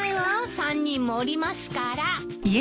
３人もおりますから。